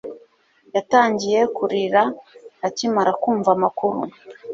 Yatangiye kurira akimara kumva amakuru